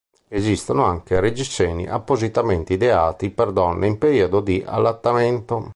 Esistono anche reggiseni appositamente ideati per donne in periodo di allattamento.